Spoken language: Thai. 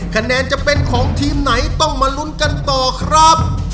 คะแนนจะเป็นของทีมไหนต้องมาลุ้นกันต่อครับ